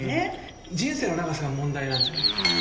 人生の長さが問題なんじゃないと。